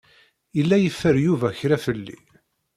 Yella yeffer Yuba kra fell-i.